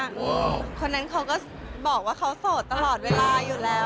คนนั้นเขาก็บอกว่าเขาโสดตลอดเวลาอยู่แล้ว